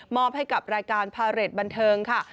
อบให้กับรายการพาเรทบันเทิงค่ะ